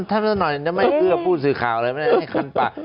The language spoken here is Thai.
ถ้ามันหน่อยจะไม่เกลือผู้สื่อข่าวเลยไม่ได้ให้คันปาก